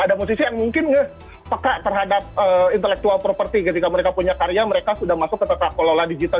ada musisi yang mungkin peka terhadap intellectual property ketika mereka punya karya mereka sudah masuk ke tata kelola digital